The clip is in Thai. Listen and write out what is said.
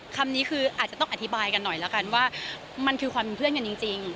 คำนี้คืออาจจะต้องอธิบายกันหน่อยแล้วกันว่ามันคือความเป็นเพื่อนกันจริง